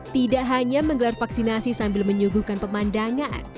tidak hanya menggelar vaksinasi sambil menyuguhkan pemandangan